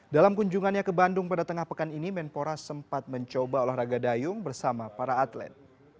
dalam kunjungannya ke bandung pada tengah pekan ini menpora sempat mencoba olahraga dayung bersama para atlet